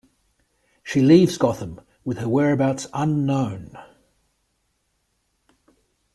She leaves Gotham, with her whereabouts unknown.